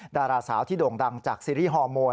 ดาราสาวที่โด่งดังจากซีรีส์ฮอร์โมน